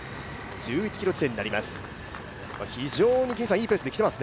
１１ｋｍ地点になります。